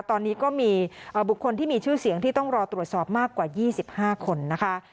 ตอนนี้ก็มีบุคคลที่มีชื่อเสียงที่ต้องรอตรวจสอบมากกว่า๒๕คนนะคะ